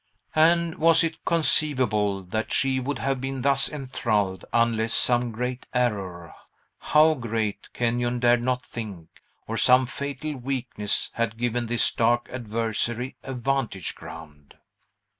And was it conceivable that she would have been thus enthralled unless some great error how great Kenyon dared not think or some fatal weakness had given this dark adversary a vantage ground?